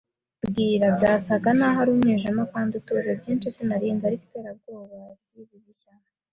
bwira. Byasaga naho ari umwijima kandi utuje; byinshi sinari nzi. Ariko iterabwoba ryibi bishya